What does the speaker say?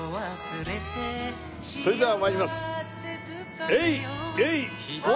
それでは参ります。